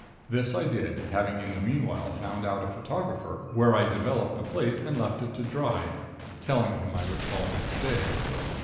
This I did, having in the meanwhile found out a photographer where I developed the plate, and left it to dry, telling him I would call next day.